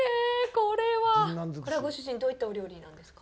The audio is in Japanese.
これはご主人どういったお料理なんですか。